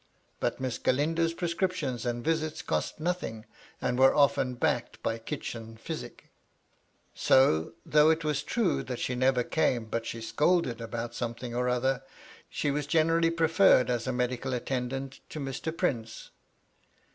But Miss Galindo's prescriptions and visits cost nothing, and were often backed by kitchen physic ; so, though it was true that she never came but she scolded about something or other, she was generally preferred as medical attendant to Mr. Prince.